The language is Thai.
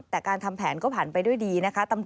แต่การทำแผนก็ผ่านไปด้วยดีนะคะ